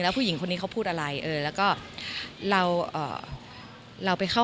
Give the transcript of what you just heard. ผู้หญิงคนนี้เขาพูดอะไรเออแล้วก็เราเอ่อเราเราไปเข้า